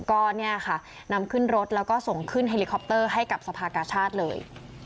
ก็เนี่ยค่ะนำขึ้นรถแล้วก็ส่งขึ้นเฮลิคอปเตอร์ให้กับสภากาชาติเลย